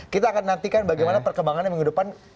kita akan nantikan bagaimana perkembangan yang minggu depan